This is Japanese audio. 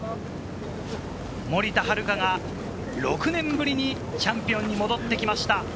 森田遥が６年ぶりにチャンピオンに戻ってきました。